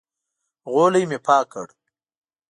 غولی مې پاک کړ.